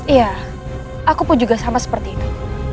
iya aku pun juga sama seperti ini